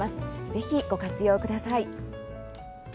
ぜひご活用ください。